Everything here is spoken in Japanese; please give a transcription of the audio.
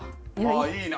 いいね！